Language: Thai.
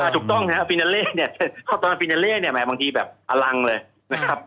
อ่าถูกต้องนะฮะเนี่ยตอนเนี่ยเนี่ยแม่บางทีแบบอลังเลยนะครับ